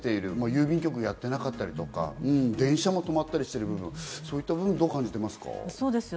郵便局がやってなかったり電車も止まったり、そういった部分はどう感じますか？